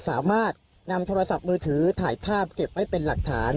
สามารถนำโทรศัพท์มือถือถ่ายภาพเก็บไว้เป็นหลักฐาน